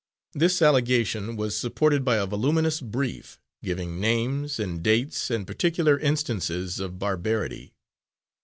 This allegation was supported by a voluminous brief, giving names and dates and particular instances of barbarity.